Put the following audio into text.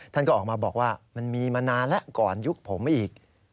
ท่านก็ออกมาบอกว่ามันมีมานานแล้วก่อนยุคผมอีก